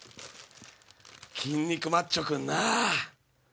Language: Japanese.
筋肉マッチョくんな。